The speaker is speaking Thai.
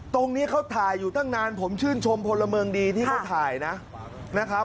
ตรงนี้เขาถ่ายอยู่ตั้งนานผมชื่นชมพลเมืองดีที่เขาถ่ายนะครับ